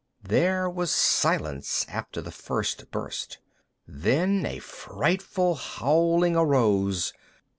There was silence after the first burst. Then a frightful howling arose.